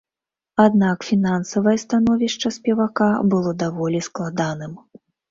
Аднак фінансавае становішча спевака было даволі складаным.